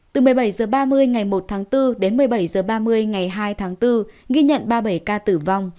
từ một mươi bảy h ba mươi ngày một tháng bốn đến một mươi bảy h ba mươi ngày hai tháng bốn ghi nhận ba mươi bảy ca tử vong